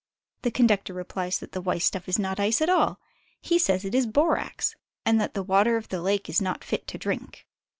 The conductor replies that the white stuff is not ice at all. He says it is borax, and that the water of the lake is not fit to drink.